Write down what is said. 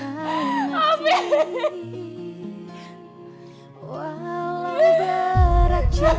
pak keluar pak